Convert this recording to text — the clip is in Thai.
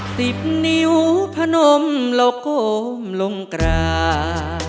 สิบนิ้วพะนมละโกมลงกราบ